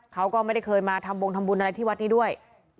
เขาก็ไม่ได้เคยมาทำบงทำบุญอะไรที่วัดนี้ด้วย